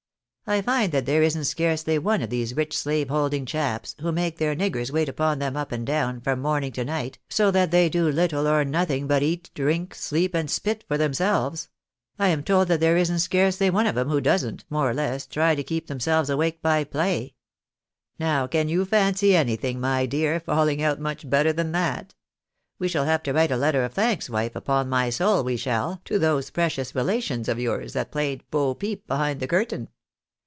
I find that there isn't scarcely one of these rich slave holding chaps, who make their niggers wait upon them up and down, from morn ing to night, so that they do little or nothing but eat, drink, sleep, and spit for themselves — I am told that there isn't scarcely one of 'em who doesn't, more or less, try to keep themselves awake by play. Xow can you fancy anything, my dear, falling out much better than that? ^\'e shall have to write a letter of thanks, wife, upon my soul we shall, to those precious relations of yours that played ho peep behind the curtain.